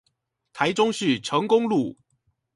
台中市成功路